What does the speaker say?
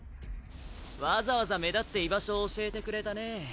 わざわざ目立って居場所を教えてくれたね。